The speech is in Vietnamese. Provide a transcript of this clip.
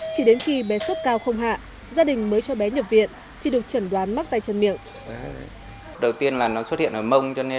chỉ đến khi bé sốt cao không hạ gia đình mới cho bé nhập viện thì được chẩn đoán mắc tay chân miệng